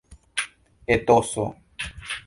etoso